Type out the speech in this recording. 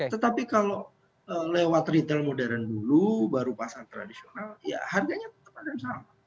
tetapi kalau lewat retail modern dulu baru pasar tradisional ya harganya tetap ada sama